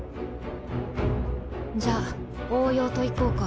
じゃあ応用といこうか。